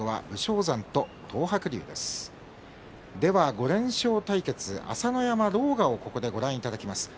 ５連勝対決、朝乃山、狼雅をご覧いただきます。